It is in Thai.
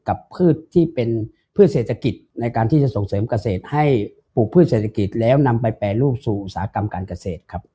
พืชที่เป็นพืชเศรษฐกิจในการที่จะส่งเสริมเกษตรให้ปลูกพืชเศรษฐกิจแล้วนำไปแปรรูปสู่อุตสาหกรรมการเกษตรครับ